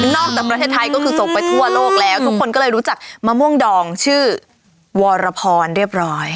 จากประเทศไทยก็คือส่งไปทั่วโลกแล้วทุกคนก็เลยรู้จักมะม่วงดองชื่อวรพรเรียบร้อย